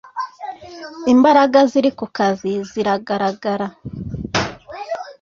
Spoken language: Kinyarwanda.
Imbaraga ziri kukazi ziragaragara,